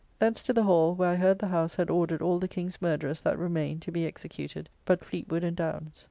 Thence to the Hall, where I heard the House had ordered all the King's murderers, that remain, to be executed, but Fleetwood and Downes.